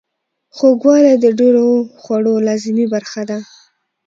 خوږوالی د ډیرو خوړو لازمي برخه ده.